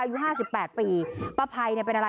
อายุห้าสิบแปดปีป้าภัยเนี่ยเป็นอะไร